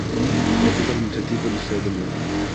El centro administrativo es la ciudad de Moga.